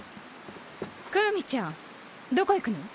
クウミちゃんどこ行くの？